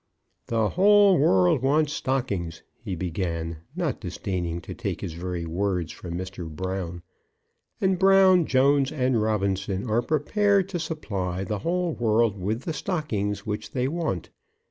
_ The whole world wants stockings, [he began, not disdaining to take his very words from Mr. Brown] and Brown, Jones, and Robinson are prepared to supply the whole world with the stockings which they want.